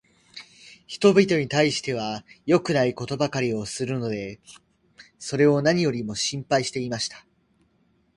人びとに対しては良くないことばかりするので、それを何よりも心配していました。